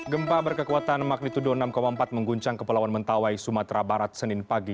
gempa berkekuatan magnitudo enam empat mengguncang kepulauan mentawai sumatera barat senin pagi